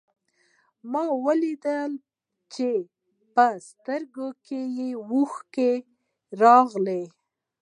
ما وليده چې په سترګو کې يې اوښکې راغلې.